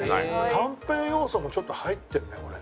はんぺん要素もちょっと入ってるねこれ。